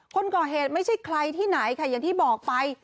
คนก่อเหตุไม่ใช่ใครที่ไหนค่ะอย่างที่บอกไป